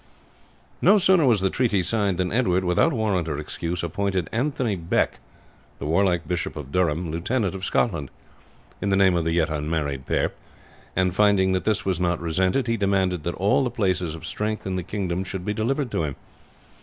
"No sooner was the treaty signed than Edward, without warrant or excuse, appointed Anthony Beck, the warlike Bishop of Durham, Lieutenant of Scotland, in the name of the yet unmarried pair; and finding that this was not resented, he demanded that all the places of strength in the kingdom should be delivered to him.